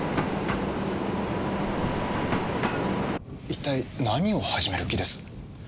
一体何を始める気です？